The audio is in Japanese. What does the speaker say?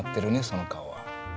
その顔は。